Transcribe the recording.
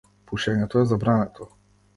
Пушењето е забрането.